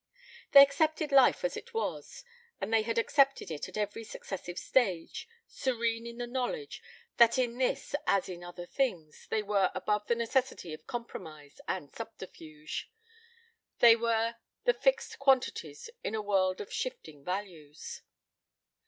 They accepted life as it was, and they had accepted it at every successive stage, serene in the knowledge that in this as in other things they were above the necessity of compromise and subterfuge. They were the fixed quantities in a world of shifting values.